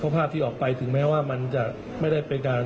ภาพที่ออกไปถึงแม้ว่ามันจะไม่ได้เป็นการ